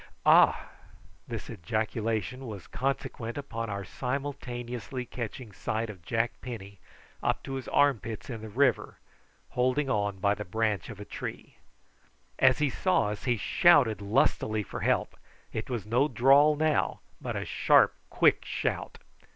Ah!" This ejaculation was consequent upon our simultaneously catching sight of Jack Penny, up to the armpits in the river, holding on by the branch of a tree. As he saw us he shouted lustily for help. It was no drawl now, but a sharp quick shout.